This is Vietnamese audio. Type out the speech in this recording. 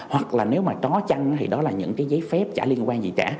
hoặc là nếu mà có chăng thì đó là những cái giấy phép chả liên quan gì cả